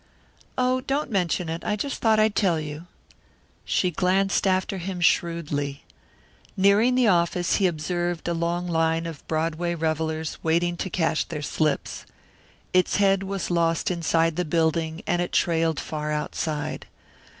"Oh, don't mention it. I just thought I'd tell you." She glanced after him shrewdly. Nearing the office he observed a long line of Broadway revellers waiting to cash their slips. Its head was lost inside the building and it trailed far outside.